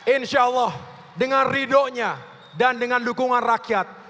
insya allah dengan ridhonya dan dengan dukungan rakyat